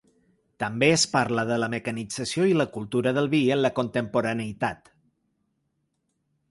També es parla de la mecanització i la cultura del vi en la contemporaneïtat.